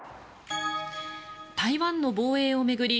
台湾の防衛を巡り